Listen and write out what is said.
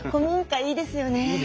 いいですよね。